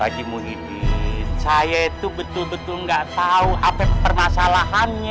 haji muhyiddin saya itu betul betul nggak tahu apa permasalahannya